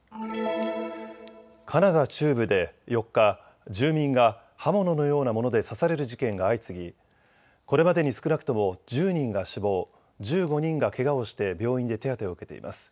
カナダ中部で４日、住民が刃物のようなもので刺される事件が相次ぎこれまでに少なくとも１０人が死亡、１５人がけがをして病院で手当てを受けています。